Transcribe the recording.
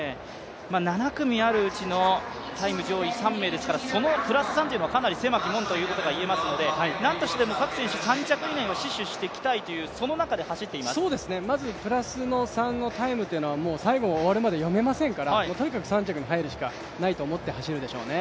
７組あるうちのタイム上位３名ですから、そのプラス３というのはかなり狭き門ということが言えますのでなんとしでも各選手３着以内を死守したいという思いでまずプラスの３のタイムというのは最後、終わるまで読めませんからとにかく３着に入るしかないと思って走るでしょうね。